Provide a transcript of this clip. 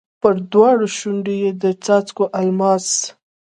پر دواړو شونډو یې د څاڅکو الماس